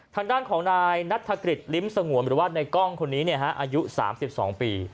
ทางด้านของนายนัฐกฤษลิ้มสงวนหรือว่าในกล้องคนนี้อายุ๓๒ปี